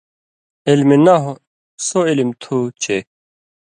علم نحو سو علم تُھو چے